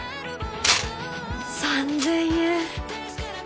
３，０００円。